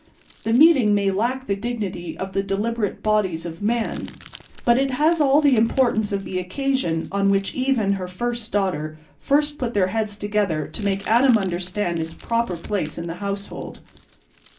The meeting may lack the dignity of the deliberative bodies of man; but it has all the importance of the occasion on which Eve and her first daughter first put their heads together to make Adam understand his proper place in the household.